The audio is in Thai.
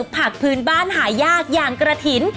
ผักพื้นบ้านหายากอย่างกระถิ่น